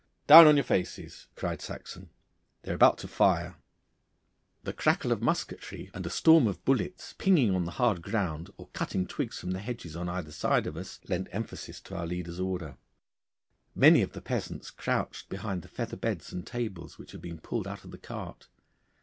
'Down on your faces!' cried Saxon; 'they are about to fire.' The crackle of musketry and a storm of bullets, pinging on the hard ground, or cutting twigs from the hedges on either side of us, lent emphasis to our leader's order. Many of the peasants crouched behind the feather beds and tables which had been pulled out of the cart.